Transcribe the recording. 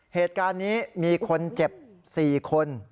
เหตุการณ์นี้มีคนเจ็บ๔คน